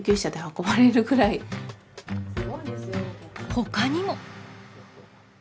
ほかにも。